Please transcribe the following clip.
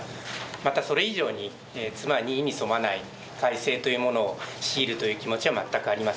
またそれ以上に妻に意に添わない改姓というものを強いるという気持ちは全くありませんでした。